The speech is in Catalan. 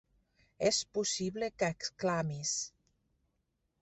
És possible que exclamis.